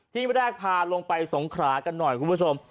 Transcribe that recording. ที่แรกพาลงไปสงขรากันหน่อยคุณผู้ชม